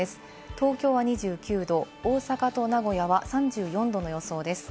東京は２９度、大阪と名古屋は３４度の予想です。